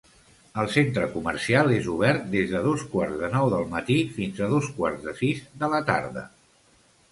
El centre comercial és obert des de dos quarts de nou del matí fins a dos quarts de sis de la tarda.